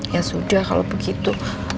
ya sudah kalo begitu